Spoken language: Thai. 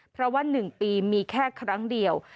เพราะว่า๑ปีมีแค่ครั้งเดียว